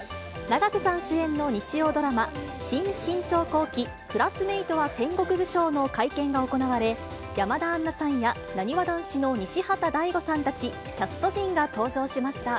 永瀬さん主演の日曜ドラマ、新・信長公記からクラスメイトは戦国武将の会見が行われ、山田杏奈さんやなにわ男子の西畑大吾さんたちキャスト陣が登場しました。